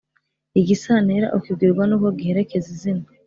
igisantera ukibwirwa n’uko giherekeza izina